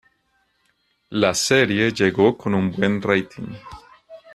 La serie llegó con un buen rating.